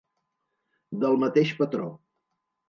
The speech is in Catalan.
Del mateix patró.